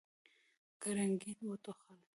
ګرګين وټوخل.